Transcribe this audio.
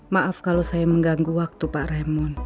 maaf kalo saya mengganggu waktu pak raymond